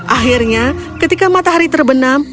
akhirnya ketika matahari terbenam